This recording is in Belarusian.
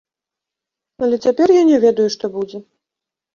Але цяпер я не ведаю, што будзе.